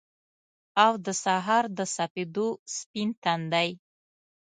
او دسهار دسپیدو ، سپین تندی